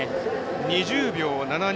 ２０秒７２。